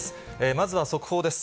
まずは速報です。